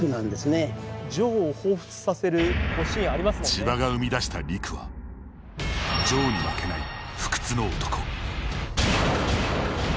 ちばが生み出した陸はジョーに負けない不屈の男。